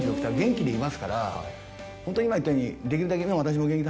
ホント今言ったようにできるだけね。